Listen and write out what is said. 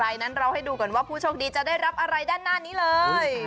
นั้นเราให้ดูก่อนว่าผู้โชคดีจะได้รับอะไรด้านหน้านี้เลย